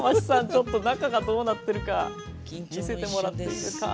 ちょっと中がどうなってるか見せてもらっていいですか？